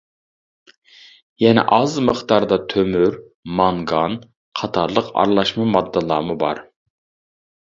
يەنە ئاز مىقداردا تۆمۈر، مانگان قاتارلىق ئارىلاشما ماددىلارمۇ بار.